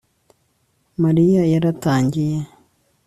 Mariya yaratangiye